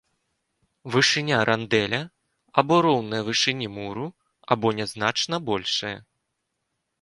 Вышыня рандэля або роўная вышыні муру, або нязначна большая.